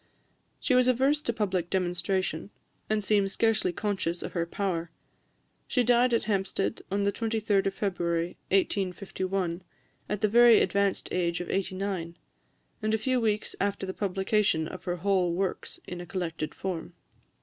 She was averse to public demonstration, and seemed scarcely conscious of her power. She died at Hampstead, on the 23d of February 1851, at the very advanced age of eighty nine, and a few weeks after the publication of her whole Works in a collected form.